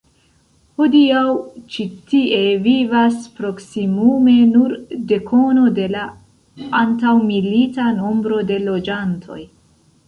Hodiaŭ ĉi tie vivas proksimume nur dekono de la antaŭmilita nombro de loĝantoj.